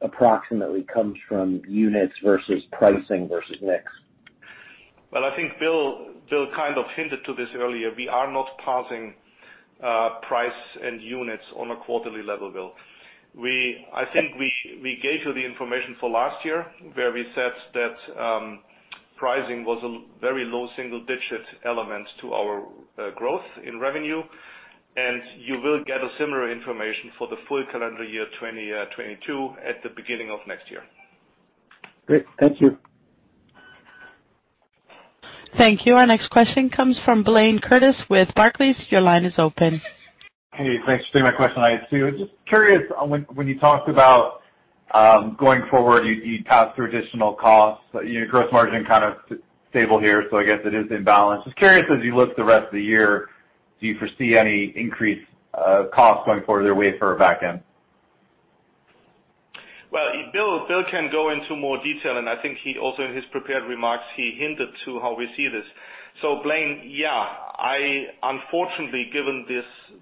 approximately comes from units versus pricing versus mix? Well, I think Bill kind of hinted to this earlier. We are not parsing price and units on a quarterly level, Bill. I think we gave you the information for last year where we said that pricing was a very low single-digit element to our growth in revenue, and you will get a similar information for the full calendar year 2022 at the beginning of next year. Great. Thank you. Thank you. Our next question comes from Blayne Curtis with Barclays. Your line is open. Hey, thanks for taking my question. I had two. Just curious, when you talked about going forward, you'd pass through additional costs, you know, gross margin kind of stable here, so I guess it is in balance. Just curious, as you look the rest of the year, do you foresee any increased costs going forward there wafer or back-end? Well, Bill can go into more detail, and I think he also in his prepared remarks, he hinted to how we see this. Blayne, yeah, I unfortunately, given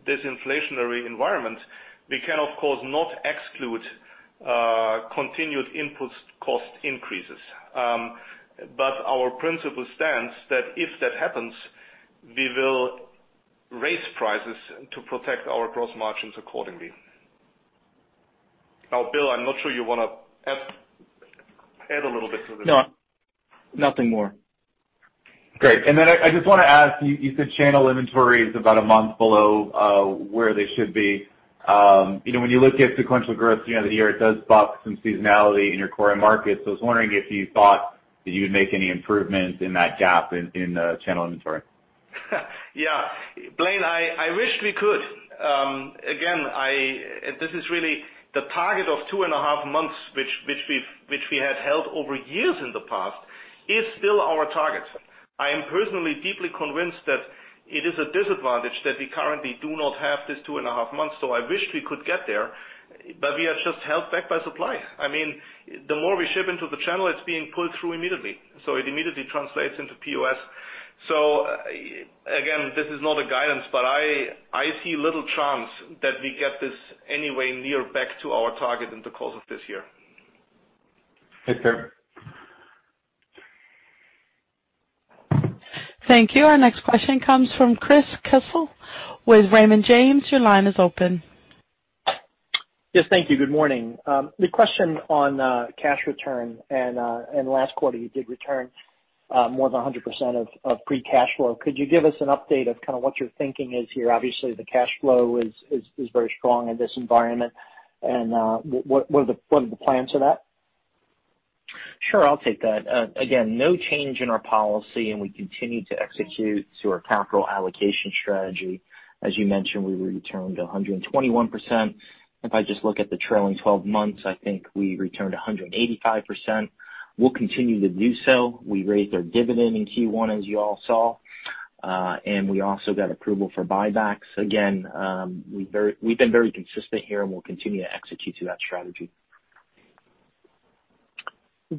this inflationary environment, we can of course not exclude continued input cost increases. But our principle stands that if that happens, we will raise prices to protect our gross margins accordingly. Oh, Bill, I'm not sure you wanna add a little bit to this. No, nothing more. Great. Then I just wanna ask you said channel inventory is about a month below where they should be. You know, when you look at sequential growth, you know, the year, it does buck some seasonality in your core markets. I was wondering if you thought that you would make any improvements in that gap in channel inventory. Yeah. Blayne, I wish we could. Again, this is really the target of two and a half months which we had held over years in the past, is still our target. I am personally deeply convinced that it is a disadvantage that we currently do not have this two and a half months, so I wish we could get there, but we are just held back by supply. I mean, the more we ship into the channel, it's being pulled through immediately, so it immediately translates into POS. Again, this is not a guidance, but I see little chance that we get this anyway near back to our target in the course of this year. Okay. Thank you. Our next question comes from Chris Caso with Raymond James. Your line is open. Yes, thank you. Good morning. The question on cash return and last quarter you did return more than 100% of free cash flow. Could you give us an update of kinda what your thinking is here? Obviously, the cash flow is very strong in this environment. What are the plans for that? Sure. I'll take that. Again, no change in our policy, and we continue to execute to our capital allocation strategy. As you mentioned, we returned 121%. If I just look at the trailing twelve months, I think we returned 185%. We'll continue to do so. We raised our dividend in Q1, as you all saw. We also got approval for buybacks. Again, we've been very consistent here, and we'll continue to execute to that strategy.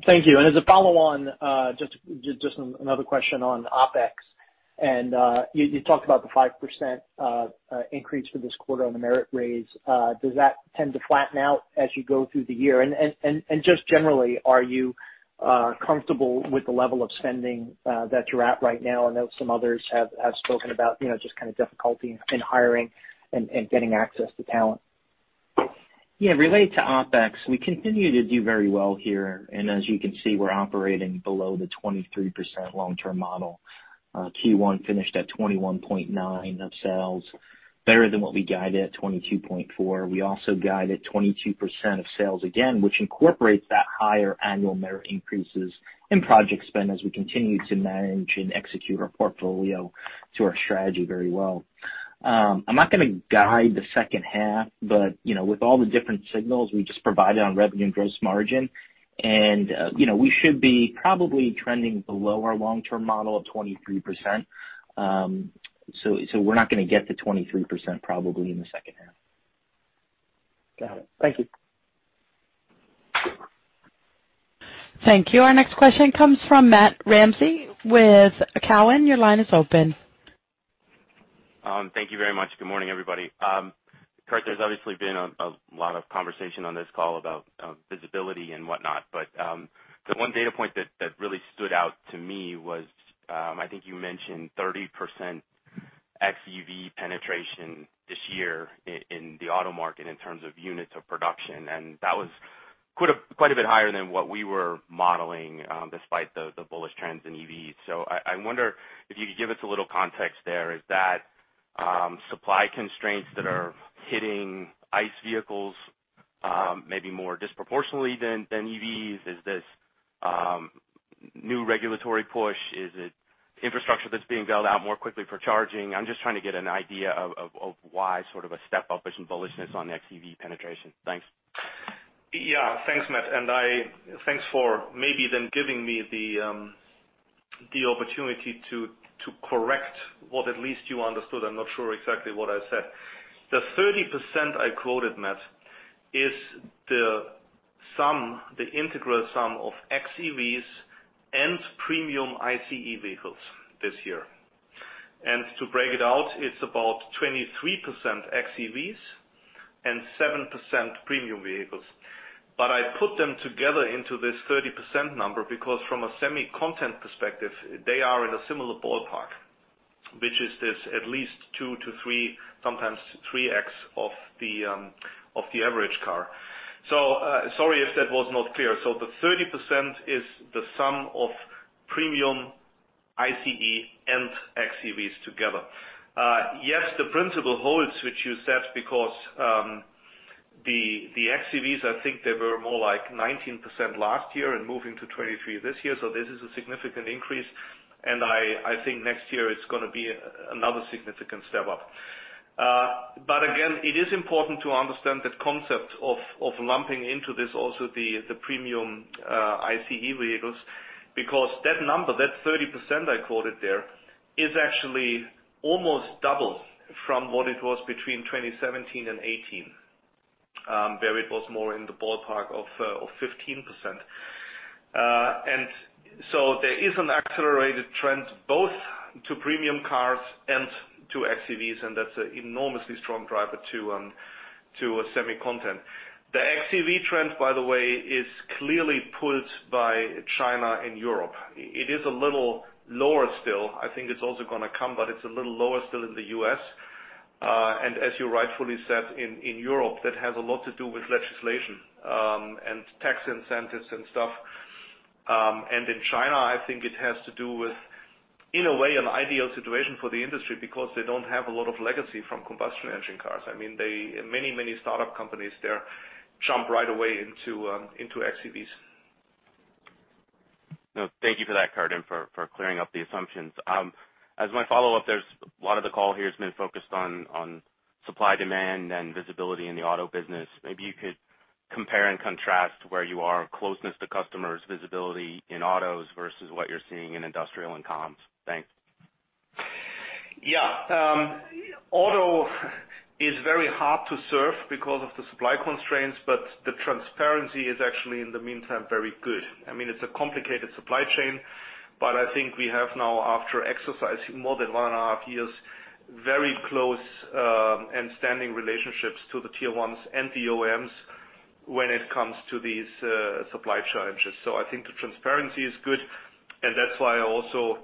Thank you. As a follow on, just another question on OpEx. You talked about the 5% increase for this quarter on the merit raise. Does that tend to flatten out as you go through the year? Just generally, are you comfortable with the level of spending that you're at right now? I know some others have spoken about, you know, just kinda difficulty in hiring and getting access to talent. Yeah. Related to OpEx, we continue to do very well here. As you can see, we're operating below the 23% long-term model. Q1 finished at 21.9% of sales, better than what we guided at 22.4%. We also guided 22% of sales again, which incorporates that higher annual merit increases and project spend as we continue to manage and execute our portfolio to our strategy very well. I'm not gonna guide the second half, but you know, with all the different signals we just provided on revenue and gross margin, and you know, we should be probably trending below our long-term model of 23%. So we're not gonna get to 23% probably in the second half. Got it. Thank you. Thank you. Our next question comes from Matt Ramsay with Cowen. Your line is open. Thank you very much. Good morning, everybody. Kurt, there's obviously been a lot of conversation on this call about visibility and whatnot, but the one data point that really stood out to me was, I think you mentioned 30% xEV penetration this year in the auto market in terms of units of production, and that was quite a bit higher than what we were modeling, despite the bullish trends in EVs. I wonder if you could give us a little context there. Is that supply constraints that are hitting ICE vehicles, maybe more disproportionately than EVs? Is this new regulatory push? Is it infrastructure that's being built out more quickly for charging? I'm just trying to get an idea of why sort of a step-up in bullishness on xEV penetration. Thanks. Yeah. Thanks, Matt. Thanks for maybe then giving me the opportunity to correct what at least you understood. I'm not sure exactly what I said. The 30% I quoted, Matt, is the sum, the integral sum of xEVs and premium ICE vehicles this year. To break it out, it's about 23% xEVs and 7% premium vehicles. I put them together into this 30% number because from a semi-content perspective, they are in a similar ballpark, which is this at least 2x-3x, sometimes 3x of the average car. Sorry if that was not clear. The 30% is the sum of premium ICE and xEVs together. Yes, the principle holds, which you said because the xEVs, I think they were more like 19% last year and moving to 23% this year. This is a significant increase, and I think next year it's gonna be another significant step up. Again, it is important to understand the concept of lumping into this also the premium ICE vehicles, because that number, that 30% I quoted there, is actually almost double from what it was between 2017 and 2018, where it was more in the ballpark of 15%. There is an accelerated trend both to premium cars and to xEVs, and that's an enormously strong driver to semiconductor content. The xEV trend, by the way, is clearly pulled by China and Europe. It is a little lower still. I think it's also gonna come, but it's a little lower still in the U.S. And as you rightfully said, in Europe, that has a lot to do with legislation, and tax incentives and stuff. And in China, I think it has to do with, in a way, an ideal situation for the industry because they don't have a lot of legacy from combustion engine cars. I mean, many, many startup companies there jump right away into xEVs. No, thank you for that, Kurt, and for clearing up the assumptions. As my follow-up, there's a lot of the call here has been focused on supply and demand and visibility in the auto business. Maybe you could compare and contrast your closeness to customers, visibility in autos versus what you're seeing in industrial and comms. Thanks. Yeah. Auto is very hard to serve because of the supply constraints, but the transparency is actually, in the meantime, very good. I mean, it's a complicated supply chain, but I think we have now, after exercising more than 1.5 years, very close understanding relationships to the Tier 1s and the OEMs when it comes to these supply challenges. I think the transparency is good, and that's why I also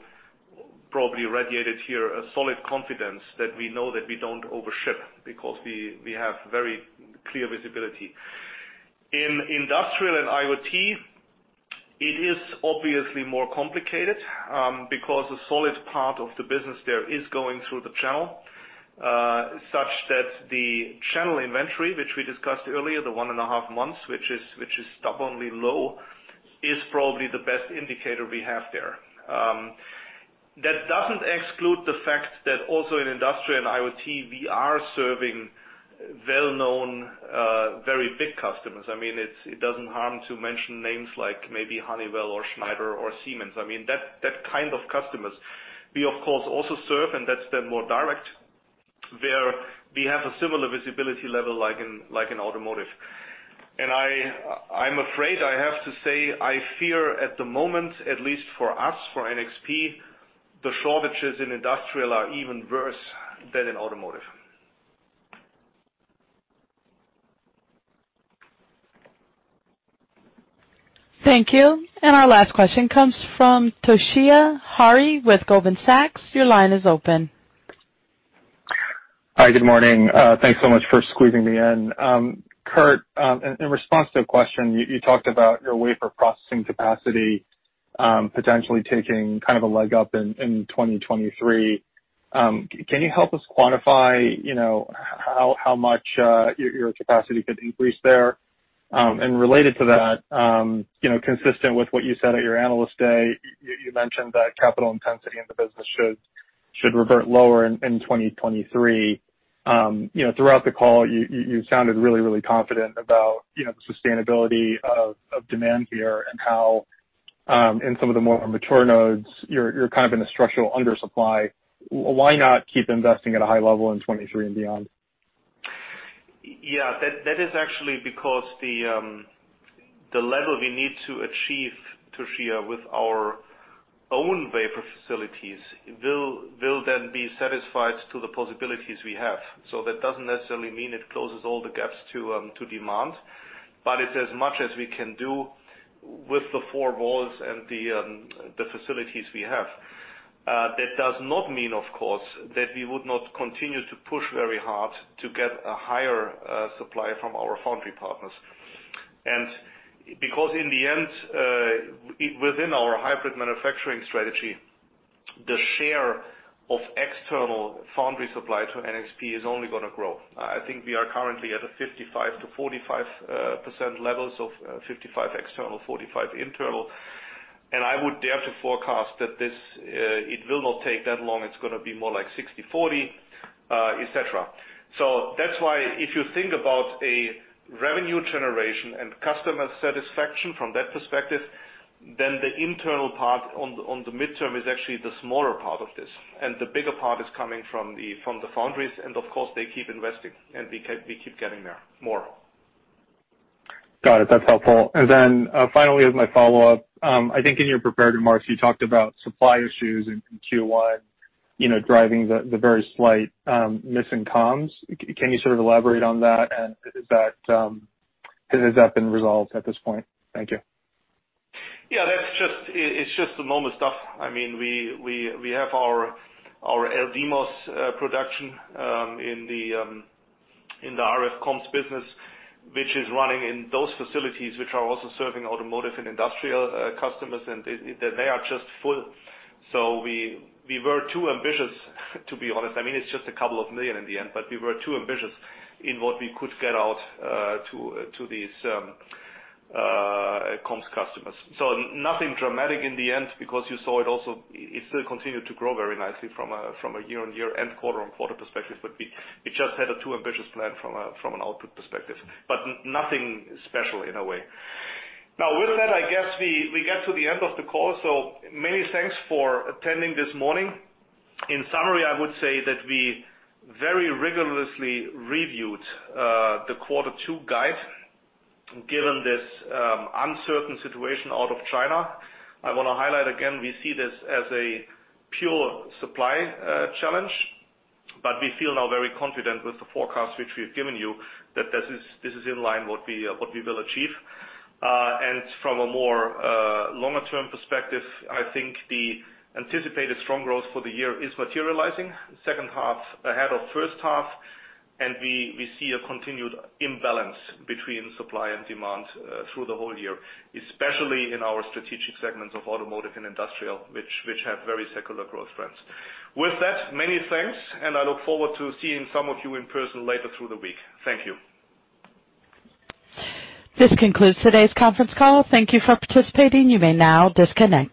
probably radiated here a solid confidence that we know that we don't overship because we have very clear visibility. In industrial and IoT, it is obviously more complicated because a solid part of the business there is going through the channel such that the channel inventory, which we discussed earlier, the 1.5 months, which is stubbornly low, is probably the best indicator we have there. That doesn't exclude the fact that also in industrial and IoT, we are serving well-known, very big customers. I mean, it doesn't harm to mention names like maybe Honeywell or Schneider or Siemens. I mean, that kind of customers. We, of course, also serve, and that's then more direct, where we have a similar visibility level like in automotive. I'm afraid I have to say, I fear at the moment, at least for us, for NXP, the shortages in industrial are even worse than in automotive. Thank you. Our last question comes from Toshiya Hari with Goldman Sachs. Your line is open. Hi, good morning. Thanks so much for squeezing me in. Kurt, in response to a question, you talked about your wafer processing capacity, potentially taking kind of a leg up in 2023. Can you help us quantify, you know, how much your capacity could increase there? Related to that, you know, consistent with what you said at your Analyst Day, you mentioned that capital intensity in the business should revert lower in 2023. You know, throughout the call, you sounded really confident about, you know, the sustainability of demand here and how, in some of the more mature nodes, you're kind of in a structural undersupply. Why not keep investing at a high level in 2023 and beyond? Yeah. That is actually because the level we need to achieve, Toshiya, with our own wafer facilities will then be satisfied to the possibilities we have. That doesn't necessarily mean it closes all the gaps to demand, but it's as much as we can do with the four walls and the facilities we have. That does not mean, of course, that we would not continue to push very hard to get a higher supply from our foundry partners. Because in the end, within our hybrid manufacturing strategy, the share of external foundry supply to NXP is only gonna grow. I think we are currently at a 55-45% levels of 55% external, 45% internal. I would dare to forecast that it will not take that long. It's gonna be more like 60/40, et cetera. That's why if you think about a revenue generation and customer satisfaction from that perspective, then the internal part on the midterm is actually the smaller part of this, and the bigger part is coming from the foundries, and of course, they keep investing, and we keep getting there more. Got it. That's helpful. Finally, as my follow-up, I think in your prepared remarks, you talked about supply issues in Q1, you know, driving the very slight miss in comms. Can you sort of elaborate on that? And has that been resolved at this point? Thank you. Yeah, that's just it. It's just the normal stuff. I mean, we have our LDMOS production in the RF comms business, which is running in those facilities which are also serving automotive and industrial customers, and they are just full. We were too ambitious, to be honest. I mean, it's just $2 million in the end, but we were too ambitious in what we could get out to these comms customers. Nothing dramatic in the end because you saw it also. It still continued to grow very nicely from a year-on-year and quarter-on-quarter perspective, but we just had a too ambitious plan from an output perspective. Nothing special in a way. Now, with that, I guess we get to the end of the call. Many thanks for attending this morning. In summary, I would say that we very rigorously reviewed the quarter two guide given this uncertain situation out of China. I wanna highlight again, we see this as a pure supply challenge, but we feel now very confident with the forecast which we've given you that this is in line what we will achieve. From a more longer term perspective, I think the anticipated strong growth for the year is materializing second half ahead of first half, and we see a continued imbalance between supply and demand through the whole year, especially in our strategic segments of automotive and industrial, which have very secular growth trends. With that, many thanks, and I look forward to seeing some of you in person later through the week. Thank you. This concludes today's conference call. Thank you for participating. You may now disconnect.